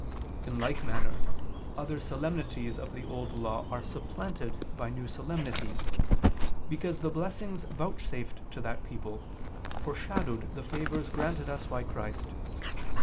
In like manner other solemnities of the Old Law are supplanted by new solemnities: because the blessings vouchsafed to that people, foreshadowed the favors granted us by Christ.